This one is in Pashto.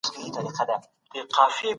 که وخت سم وکارول سي نو ډېر کارونه به وسي.